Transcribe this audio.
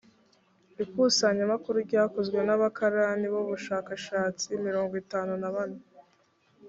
ikusanyamakuru ryakozwe n’abakarani b’ubushakashatsi mirongo itanu na bane.